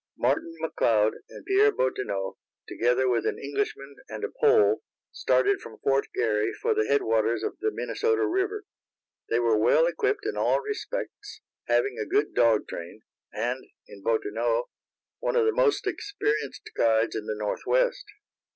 Martin McLeod and Pierre Bottineau, together with an Englishman and a Pole, started from Fort Garry for the headwaters of the Minnesota river. They were well equipped in all respects, having a good dog train, and, in Bottineau, one of the most experienced guides in the Northwest.